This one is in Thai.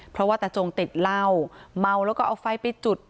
เพราะว่าตาจงติดเหล้าเมาแล้วก็เอาไฟไปจุด